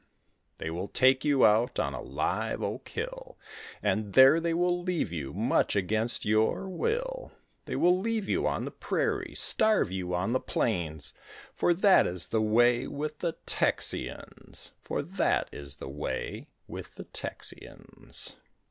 They will take you out on a live oak hill And there they will leave you much against your will. They will leave you on the prairie, starve you on the plains, For that is the way with the Texians, For that is the way with the Texians.